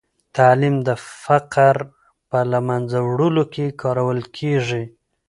تعلیم د فقر په له منځه وړلو کې کارول کېږي.